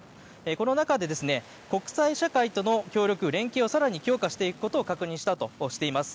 この中で国際社会との協力、連携を更に強化していくことを確認したとしています。